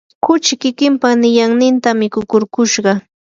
kuchi kikimpa niyanninta mikukurkushqa.